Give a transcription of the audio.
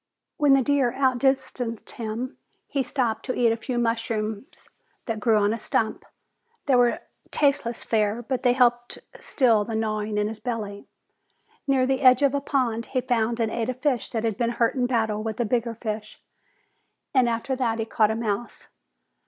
When the deer outdistanced him, he stopped to eat a few mushrooms that grew on a stump. They were tasteless fare, but they helped still the gnawing in his belly. Near the edge of a pond, he found and ate a fish that had been hurt in battle with a bigger fish, and after that he caught a mouse.